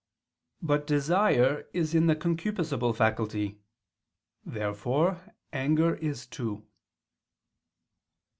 But desire is in the concupiscible faculty. Therefore anger is too.